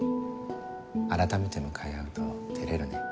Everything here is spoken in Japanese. あらためて向かい合うと照れるね。